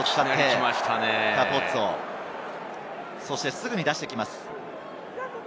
すぐに出してきます。